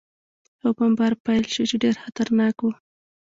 او بمبار پېل شو، چې ډېر خطرناک و.